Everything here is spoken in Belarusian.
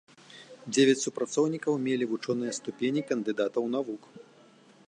Дзевяць супрацоўнікаў мелі вучоныя ступені кандыдатаў навук.